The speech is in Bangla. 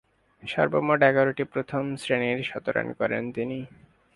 সর্বমোট এগারোটি প্রথম-শ্রেণীর শতরান করেন তিনি।